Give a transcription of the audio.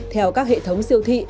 theo các hệ thống siêu thị